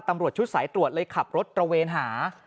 ตำรวจชุดสายตรวจเลยขับรถตระเวนหา